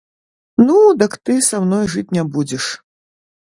Ну, дык ты са мной жыць не будзеш.